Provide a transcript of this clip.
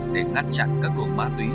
để ngăn chặn các nguồn ma túy